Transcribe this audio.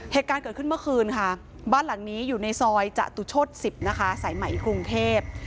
เหตุการณ์เกิดขึ้นเมื่อคืนค่ะบ้านหลังนี้อยู่ในซอยจตุศ๑๐นะคะสายไหมกรุงเทพ